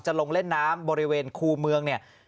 ลงเล่นน้ำบริเวณคู่เมืองเนี่ย